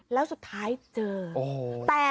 แล้วสุดท้ายเจอ